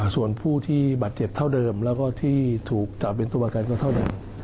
ส่วนผู้ที่บาดเจ็บเท่าเดิมแล้วก็ที่ถูกจับเป็นตัวประกันก็เท่าเดิม